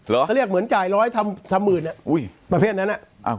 เขาเรียกเหมือนจ่ายร้อยทำหมื่นอ่ะอุ้ยประเภทนั้นน่ะ